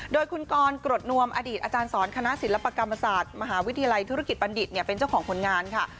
โดยคุณกรกรดนวมอดีตอาจารย์สอนคณะศิลปกรรมศาสตร์มหาวิทยาลัยธุรกิจบัณฑิตเป็นเจ้าของผลงานค่ะ